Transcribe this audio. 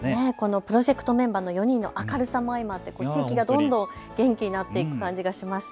プロジェクトメンバーの明るさも相まって地域がどんどん元気になっていく感じがしました。